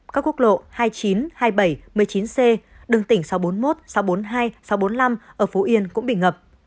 các quốc lộ hai mươi chín hai mươi bảy một mươi chín c đường tỉnh sáu trăm bốn mươi một sáu trăm bốn mươi hai sáu trăm bốn mươi năm ở phú yên cũng bị ngập